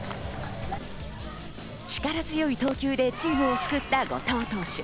力強い投球でチームを救った後藤投手。